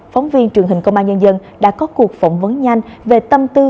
phóng viên truyền hình công an nhân dân đã có cuộc phỏng vấn nhanh về tâm tư